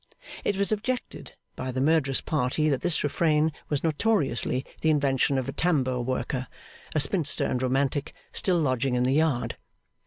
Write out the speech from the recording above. It was objected by the murderous party that this Refrain was notoriously the invention of a tambour worker, a spinster and romantic, still lodging in the Yard.